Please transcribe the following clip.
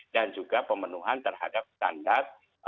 dan juga pemenuhan terhadap standar